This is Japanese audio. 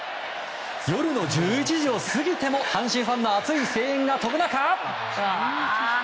夜の１１時を過ぎても阪神ファンの熱い声援が飛ぶ中。